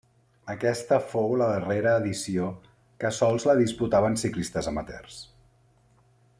Aquesta fou la darrera edició que sols la disputaven ciclistes amateurs.